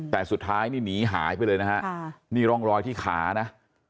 แต่สุดท้ายนี่หนีหายไปเลยนะฮะนี่ร่องรอยที่ขานะ